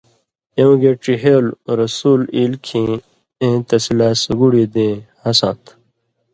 اېوں گے ڇِہېلوۡ (رسول)ایل کھیں اېں تسی لا سُگُڑی دېں/ہساں تھہ۔